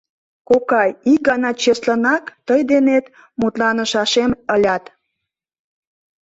Кокай, ик гана чеслынак тый денет мутланышашем ылят...